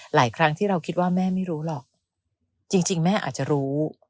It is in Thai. หลายครั้งที่เราคิดว่าแม่ไม่รู้หรอกจริงแม่อาจจะรู้